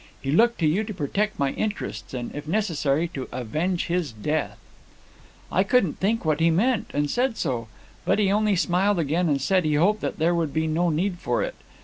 He looked to you to protect my interests, and, if necessary, to avenge his death. "I couldn't think what he meant, and said so; but he only smiled again and said he hoped there would be no need for it.